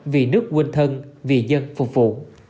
vì nước quên thân vì dân phục vụ